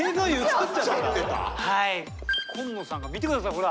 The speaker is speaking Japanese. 今野さんが見て下さいほら。